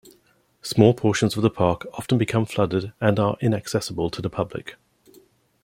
Small portions of the park often become flooded and are inaccessible to the public.